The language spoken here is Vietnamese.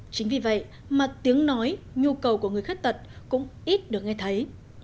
chính vì vậy mà tiếng nói nhu cầu của người khuyết tật cũng ít được nghe thấy